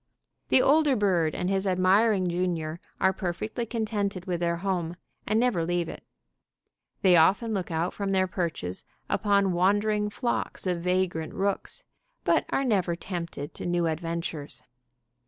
The older bird and his admiring junior are perfectly contented with their home, and never leave it. They often look out from their perches upon wandering flocks of vagrant rooks, but are never tempted to new adventures.